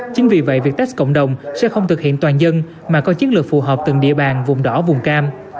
chính vì vậy việc test cộng đồng sẽ không thực hiện toàn dân mà có chiến lược phù hợp từng địa bàn vùng đỏ vùng cam